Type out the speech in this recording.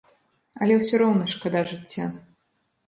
Але ўсё роўна шкада жыцця.